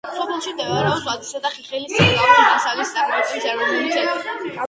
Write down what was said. სოფელში მდებარეობს ვაზისა და ხეხილის სარგავი მასალის წარმოების ეროვნული ცენტრი.